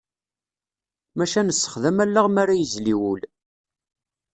Maca nessexdam allaɣ mi ara yezli wul.